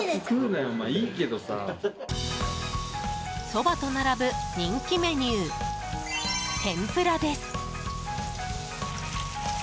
そばと並ぶ人気メニュー天ぷらです。